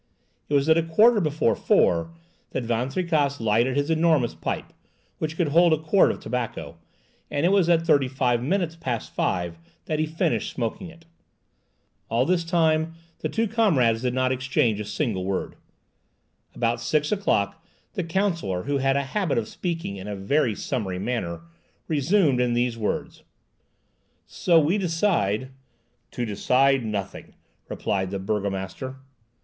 It was at a quarter before four that Van Tricasse lighted his enormous pipe, which could hold a quart of tobacco, and it was at thirty five minutes past five that he finished smoking it. All this time the two comrades did not exchange a single word. About six o'clock the counsellor, who had a habit of speaking in a very summary manner, resumed in these words,— "So we decide—" "To decide nothing," replied the burgomaster.